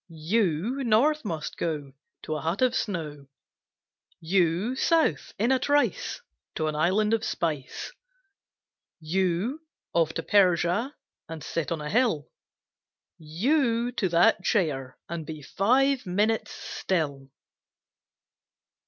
You, north must go To a hut of snow; You, south, in a trice, To an island of spice; You, off to Persia And sit on a hill, You, to that chair And be five minutes' still!